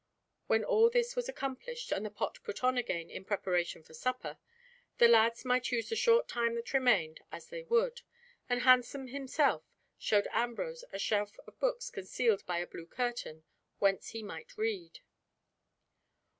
When all this was accomplished, and the pot put on again in preparation for supper, the lads might use the short time that remained as they would, and Hansen himself showed Ambrose a shelf of books concealed by a blue curtain, whence he might read.